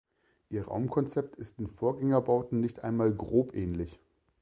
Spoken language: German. Ihr Raumkonzept ist den Vorgängerbauten nicht einmal grob ähnlich.